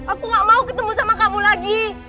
aku gak mau ketemu sama kamu lagi